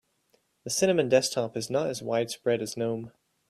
The cinnamon desktop is not as widespread as gnome.